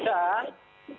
arah dari model